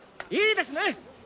いいですね？